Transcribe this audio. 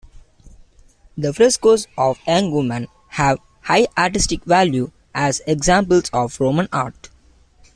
The Frescos of young women have high artistic value as examples of Roman art.